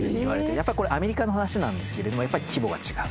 やっぱりこれアメリカの話なんですけどもやっぱり規模が違う。